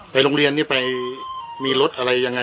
ไปลงเลียนเนี่ยมีรถอะไรยังไง